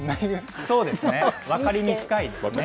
そうですね、わかりみ深いですね。